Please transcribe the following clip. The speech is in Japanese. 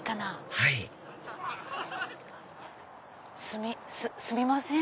はいすみません。